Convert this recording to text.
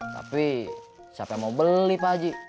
tapi siapa yang mau beli pak haji